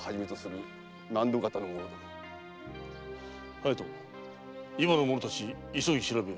隼人今の者たち急ぎ調べよ。